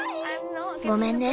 ごめんね。